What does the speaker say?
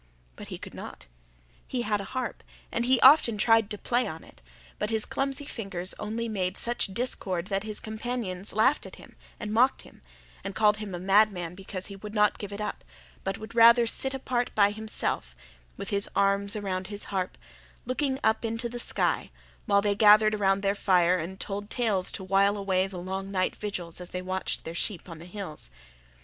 But he could not; he had a harp and he often tried to play on it; but his clumsy fingers only made such discord that his companions laughed at him and mocked him, and called him a madman because he would not give it up, but would rather sit apart by himself, with his arms about his harp, looking up into the sky, while they gathered around their fire and told tales to wile away their long night vigils as they watched their sheep on the hills.